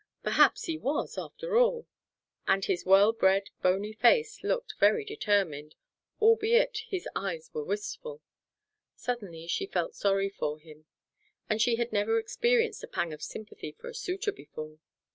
Perhaps he was, after all. And his well bred, bony face looked very determined, albeit the eyes were wistful. Suddenly she felt sorry for him; and she had never experienced a pang of sympathy for a suitor before.